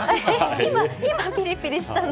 今、ピリピリしたの？